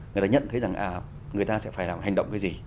người ta nhận thấy rằng người ta sẽ phải làm hành động cái gì